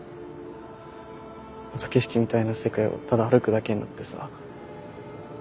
また景色みたいな世界をただ歩くだけになってさ。